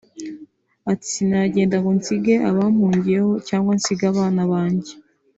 ati “sinagenda ngo nsige abampungiyeho cyangwa nsige abana banjye